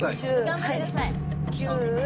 頑張ってください。